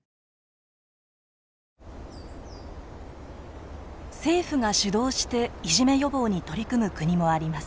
政府が主導していじめ予防に取り組む国もあります。